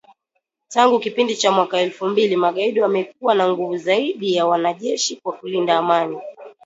Tangu kipindi cha mwaka elfu mbili, magaidi wamekuwa na nguvu zaidi ya wanajeshi wa kulinda amani